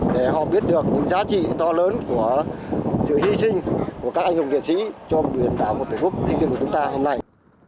để họ biết được những giá trị to lớn của sự hy sinh của các anh hùng liệt sĩ cho quyền biển đảo của thềm lục thịnh viên của chúng ta hôm nay